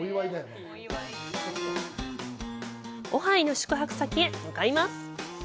オハイの宿泊先へ向かいます。